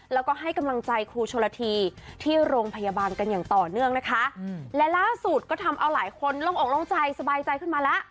แล้วก็ให้กำลังใจครูชนละทีที่โรงพยาบาลกันอย่างต่อเนื่องนะคะและล่าสุดก็ทำเอาหลายคนลงอกลงใจสบายใจขึ้นมาแล้ว